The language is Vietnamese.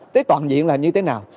thế toàn diện là như thế nào